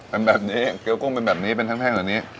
เป็นแบบนี้เกี้ยวกุ้งเป็นแบบนี้เป็นแห้งแบบนี้